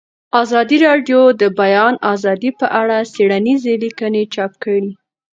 ازادي راډیو د د بیان آزادي په اړه څېړنیزې لیکنې چاپ کړي.